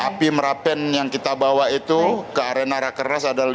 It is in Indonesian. api merapean yang kita bawa itu ke arena rekenas adalah